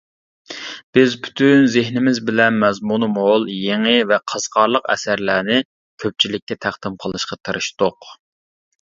بىز پۈتۈن زېھنىمىز بىلەن مەزمۇنى مول، يېڭى ۋە قىزىقارلىق ئەسەرلەرنى كۆپچىلىككە تەقدىم قىلىشقا تىرىشتۇق.